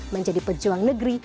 menjadi pejuang negeri